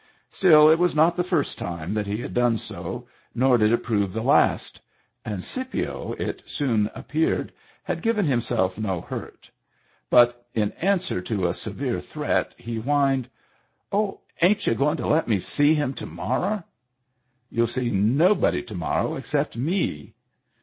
Still, it was not the first time that he had done so, nor did it prove the last; and Scipio, it soon appeared, had given himself no hurt. But in answer to a severe threat, he whined: —" Oh, ain't y'u goin' to let me see him to morro' ?"" You'll see nobody to morrow except me."